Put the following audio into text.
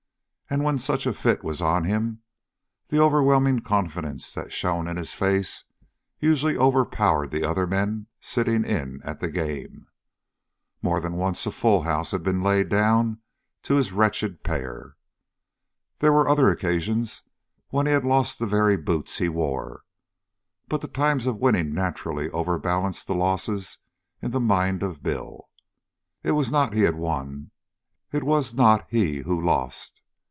And when such a fit was on him, the overwhelming confidence that shone in his face usually overpowered the other men sitting in at the game. More than once a full house had been laid down to his wretched pair. There were other occasions when he had lost the very boots he wore, but the times of winning naturally overbalanced the losses in the mind of Bill. It was not he who won, and it was not he who lost.